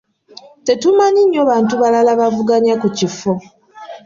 Tetumanyiiyo bantu balala bavuganya ku kifo.